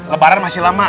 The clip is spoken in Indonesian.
lebaran masih lama